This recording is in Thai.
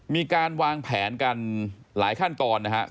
มีการวางแผนกันหลายขั้นตอนนะครับ